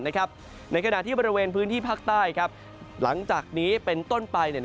ในขณะที่บริเวณพื้นที่ภาคใต้หลังจากนี้เป็นต้นไป